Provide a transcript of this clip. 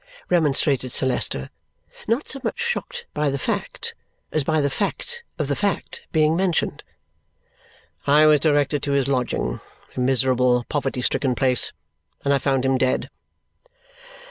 remonstrated Sir Leicester. Not so much shocked by the fact as by the fact of the fact being mentioned. "I was directed to his lodging a miserable, poverty stricken place and I found him dead."